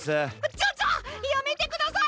ちょちょやめてください！